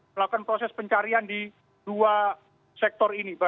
melakukan proses pencarian di dua sektor ini